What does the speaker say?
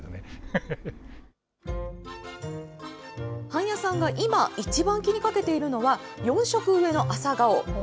半谷さんが今、一番気にかけているのは、４色植えの朝顔。